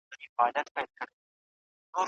نفسي غوښتني نه هڅول کېږي.